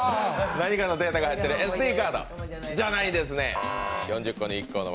何かのデータが入ってるＳＤカードじゃないですね。